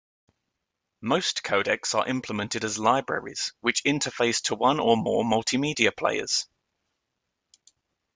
Most codecs are implemented as libraries which interface to one or more multimedia players.